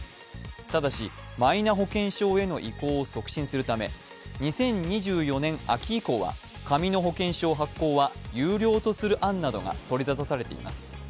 ただし、マイナ保険証への移行を促進するため、２０２４年秋以降は紙の保険証発行は有料とする案などが取り沙汰されています。